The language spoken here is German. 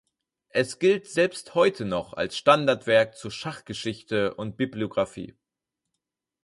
Es gilt selbst heute noch als Standardwerk zur Schachgeschichte und -bibliografie.